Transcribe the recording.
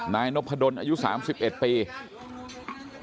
นายนพดลอายุ๓๑ปี